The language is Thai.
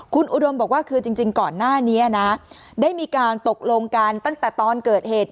คุณอุดมบอกว่าคือจริงก่อนหน้านี้นะได้มีการตกลงกันตั้งแต่ตอนเกิดเหตุ